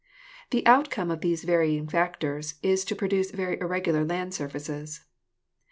The outcome of all these varying factors is to produce very irregular land surfaces.